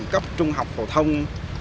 cấp trung học phổ thông